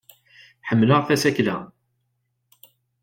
Ḥemmleɣ tasekla.